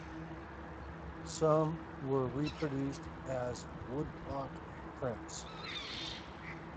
Some were reproduced as woodblock prints.